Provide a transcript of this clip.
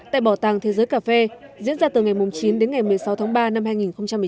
tại bảo tàng thế giới cà phê diễn ra từ ngày chín đến ngày một mươi sáu tháng ba năm hai nghìn một mươi chín